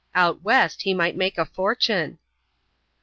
Out west he might make a fortune.